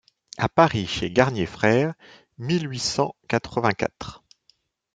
À Paris, chez Garnier frères, mille huit cent quatre-vingt-quatre.